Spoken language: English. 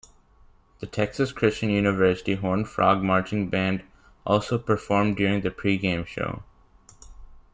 The Texas Christian University Horned Frog Marching Band also performed during the pregame show.